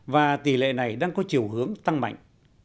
và tỷ lệ này đang có chiều hướng tăng mạnh